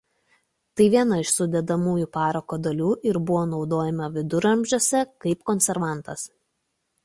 Tai viena iš sudedamųjų parako dalių ir buvo naudojama viduramžiuose kaip konservantas.